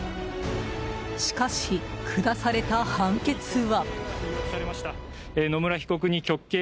しかし、下された判決は。